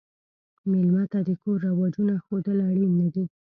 مېلمه ته د کور رواجونه ښودل اړین نه دي.